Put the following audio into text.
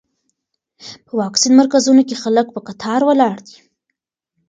په واکسین مرکزونو کې خلک په کتار ولاړ دي.